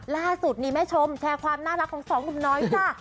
ล่าสุดนี่แม่ชมแชร์ความน่ารักของสองหนุ่มน้อยจ้ะ